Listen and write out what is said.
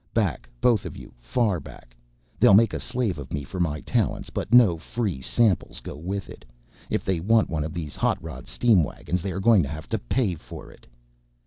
"Back both of you, far back. They'll make a slave of me for my talents, but no free samples go with it. If they want one of these hot rod steam wagons, they are going to have to pay for it!"